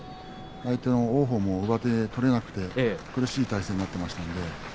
相手の王鵬も上手を取れなくて苦しい体勢になっていました。